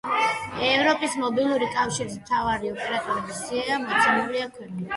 ევროპის მობილური კავშირის მთავარი ოპერატორების სია მოცემულია ქვემოთ.